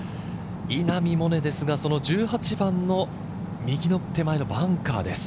稲見萌寧ですが、１８番の右の手前のバンカーです。